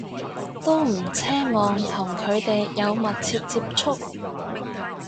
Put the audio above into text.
都唔奢望同佢哋有密切接觸